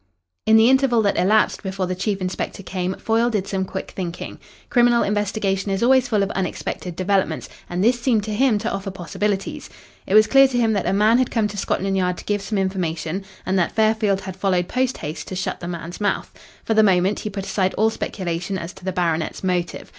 In the interval that elapsed before the chief inspector came, Foyle did some quick thinking. Criminal investigation is always full of unexpected developments, and this seemed to him to offer possibilities. It was clear to him that a man had come to Scotland Yard to give some information, and that Fairfield had followed post haste to shut the man's mouth. For the moment he put aside all speculation as to the baronet's motive.